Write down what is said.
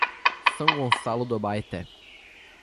São Gonçalo do Abaeté